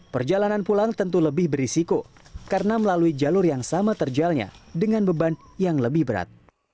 perjalanan pulang tentu lebih berisiko karena melalui jalur yang sama terjalnya dengan beban yang lebih berat